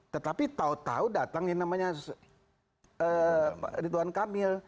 tetapi tau tau datang yang namanya dewan kamil